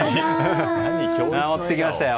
持ってきましたよ。